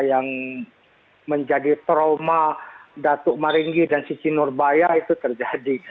yang menjadi trauma datuk maringgi dan sici nurbaya itu terjadi